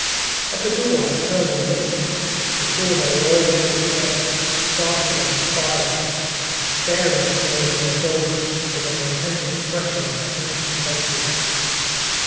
At the door I turned and looked at them, and saw they were all close together, dark against the firelight, staring at me over their shoulders, with an intent expression on their ancient faces.